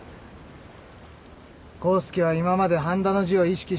康介は今まで半田の字を意識して書いてた。